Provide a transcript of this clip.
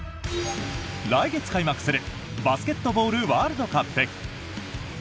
来月開幕するバスケットボールワールドカップ。